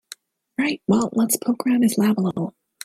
Right, well let's poke around his lab a little.